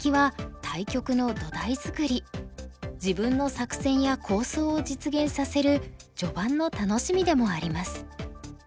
中でも自分の作戦や構想を実現させる序盤の楽しみでもあります。